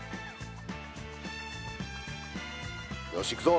よしいくぞ。